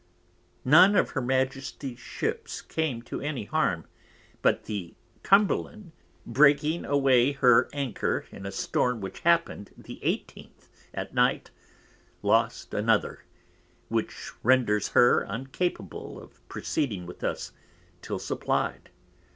None of her Majesty's Ships came to any harm; but the Cumberland breaking her Anchor in a Storm which happen'd the 18th at Night, lost another, which renders her uncapable of proceeding with us till supply'd.